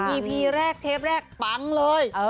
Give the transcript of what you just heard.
ีพีแรกเทปแรกปังเลย